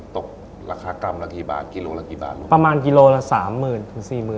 ตกราคากรรมละกี่บาทกิโลละกี่บาทประมาณกิโลละ๓๐๐๐๐๔๐๐๐๐บาท